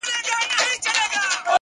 هوښیار انتخاب وخت سپموي،